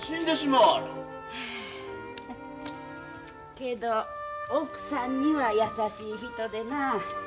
けど奥さんには優しい人でな。